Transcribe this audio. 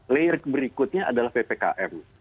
layer berikutnya adalah ppkm